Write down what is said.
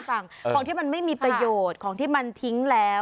ของที่มันไม่มีประโยชน์ของที่มันทิ้งแล้ว